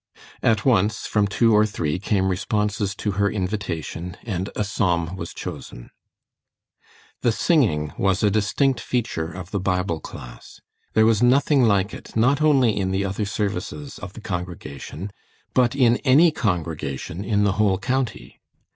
At once, from two or three came responses to her invitation, and a Psalm was chosen. The singing was a distinct feature of the Bible class. There was nothing like it, not only in the other services of the congregation, but in any congregation in the whole county.